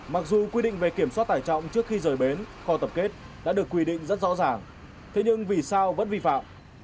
mặc dù quy định về kiểm soát tải trọng trước khi rời bến kho tập kết đã được quy định rất rõ ràng thế nhưng vì sao vẫn vi phạm